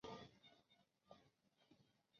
族群认同的转变可以从民调中得到反映。